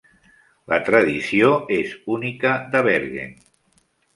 La tradició és única de Bergen.